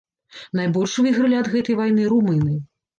Найбольш выйгралі ад гэтай вайны румыны.